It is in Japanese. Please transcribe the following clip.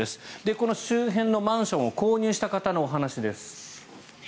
この周辺のマンションを購入した方のお話です。